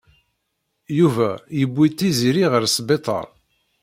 Yuba yewwi Tiziri ɣer sbiṭaṛ.